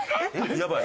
やばい。